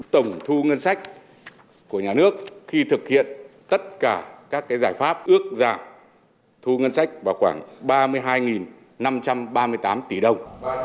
tổng thu ngân sách của nhà nước khi thực hiện tất cả các giải pháp ước giảm thu ngân sách vào khoảng ba mươi hai năm trăm ba mươi tám tỷ đồng